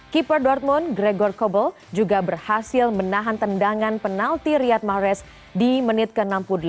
keeper dortmund gregor kobel juga berhasil menahan tendangan penalti riyad mahrez di menit ke enam puluh delapan